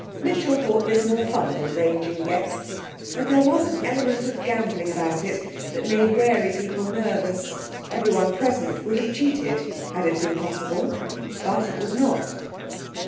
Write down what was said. Mitchell thought this more fun than arranging guests; but there was an element of gambling about it that made wary people nervous. Everyone present would have cheated had it been possible. But it was not.